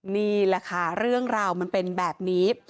นี่แหละค่ะเรื่องราวมันเป็นแบบนี้